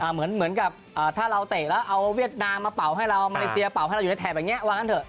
เหมือนกับถ้าเราเตะแล้วเอาเวียดนามมาเป่าให้เรามาเลเซียเป่าให้เราอยู่ในแถบแบบนี้ว่างั้นเถอ